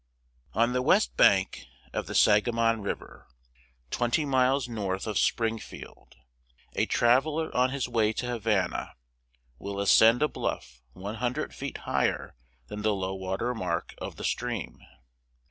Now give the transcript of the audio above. ON the west bank of the Sangamon River, twenty miles north west of Springfield, a traveller on his way to Havana will ascend a bluff one hundred feet higher than the low water mark of the stream.